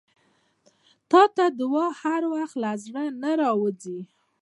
• ته د دعا هر وخت له زړه نه راووځې.